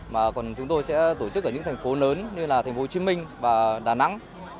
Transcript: mà còn chúng tôi sẽ tổ chức ở những thành phố lớn như là thành phố hồ chí minh và đà nẵng